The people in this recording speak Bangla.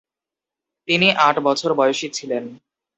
তিনি আট বছর বয়সী ছিলেন।